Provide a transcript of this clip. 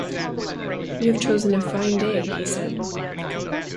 “You have chosen a fine day,” he said.